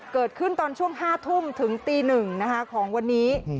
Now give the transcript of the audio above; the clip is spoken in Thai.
เกิดขึ้นตอนช่วง๕ทุ่มถึงตี๑ของวันนี้